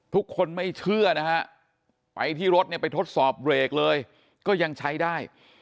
ทุกคนไม่เชื่อนะฮะไปที่รถเนี่ยไปทดสอบเบรกเลยก็ยังใช้ได้